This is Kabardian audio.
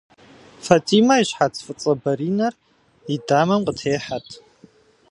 Фатимэ и щхьэц фӏыцӏэ бэринэр и дамэм къытехьэрт.